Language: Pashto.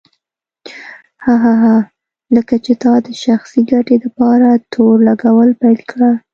هه هه هه لکه چې تا د شخصي ګټې دپاره تور لګول پيل کړه.